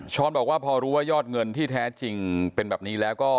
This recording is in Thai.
บอกว่าพอรู้ว่ายอดเงินที่แท้จริงเป็นแบบนี้แล้วก็